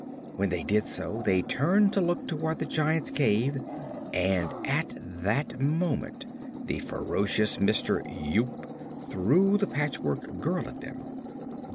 When they did so they turned to look toward the Giant's cave, and at that moment the ferocious Mister Yoop threw the Patchwork Girl at them.